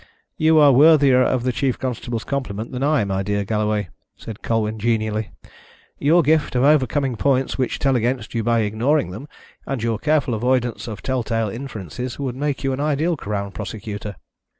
"You are worthier of the chief constable's compliment than I, my dear Galloway," said Colwyn genially. "Your gift of overcoming points which tell against you by ignoring them, and your careful avoidance of tell tale inferences, would make you an ideal Crown Prosecutor."